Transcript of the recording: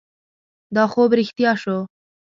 دا خوب رښتیا شو.